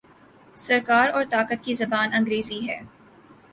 سرکار اور طاقت کی زبان انگریزی ہے۔